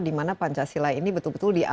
di mana pancasila ini betul betul